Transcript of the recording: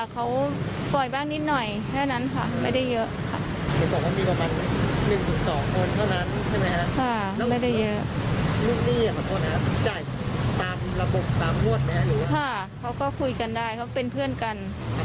เขาปล่อยบ้างนิดหน่อยด้านนั้นค่ะไม่ได้เยอะค่ะไม่ได้เยอะค่ะเขาก็คุยกันได้เขาเป็นเพื่อนกัน